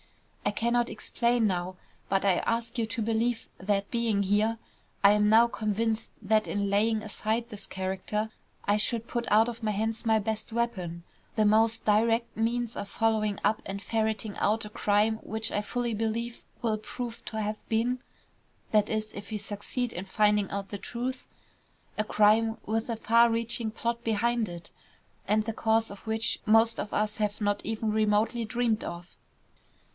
I cannot explain now, but I ask you to believe that, being here, I am now convinced that in laying aside this character I should put out of my hands my best weapon, the most direct means of following up and ferreting out a crime which I fully believe will prove to have been that is, if we succeed in finding out the truth a crime with a far reaching plot behind it, and the cause of which most of us have not even remotely dreamed of."